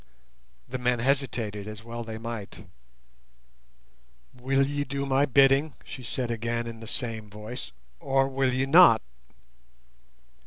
The men hesitated, as well they might. "Will ye do my bidding," she said again in the same voice, "or will ye not?"